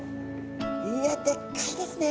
いやでっかいですね。